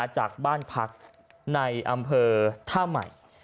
จากบ้านพักในอำเภอท่าใหม่